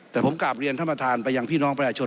แต่ผมกลับเรียนท่านประธานไปยังพี่น้องประชาชน